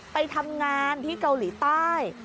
ไปทำงานที่เกาหลีใต้